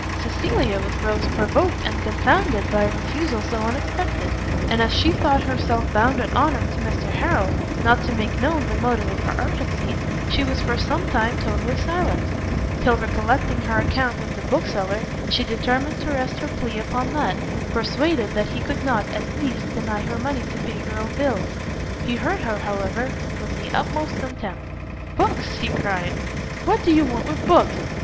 Cecilia was both provoked and confounded by a refusal so unexpected, and as she thought herself bound in honour to Mr Harrel not to make known the motive of her urgency, she was for some time totally silenced: till recollecting her account with the bookseller, she determined to rest her plea upon that, persuaded that he could not, at least, deny her money to pay her own bills. He heard her, however, with the utmost contempt; "Books?" he cried, "what do you want with books?